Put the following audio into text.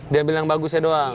diambil yang bagusnya doang